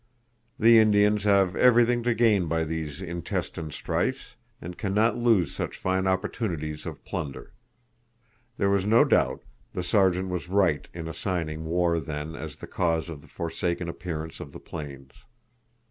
The Indians have everything to gain by these intestine strifes, and can not lose such fine opportunities of plunder. There was no doubt the Sergeant was right in assigning war then as the cause of the forsaken appearance of the plains.